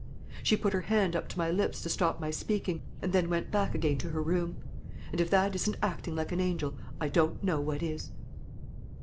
She put her hand up to my lips to stop my speaking, and then went back again to her room; and if that isn't acting like an angel, I don't know what is."